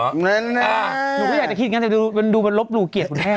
หนูก็อยากจะคิดแบบนั้นแต่ดูมันลบรูเกียรติคุณแท่ง